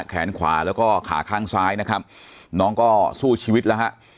แขนขวาแล้วก็ขาข้างซ้ายนะครับน้องก็สู้ชีวิตแล้วฮะ